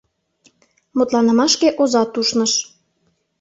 Мутланымашке озат ушныш.